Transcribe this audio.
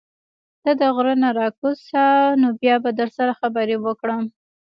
ته د غرۀ نه راکوز شه نو بيا به در سره خبرې وکړم